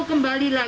atau kembali lagi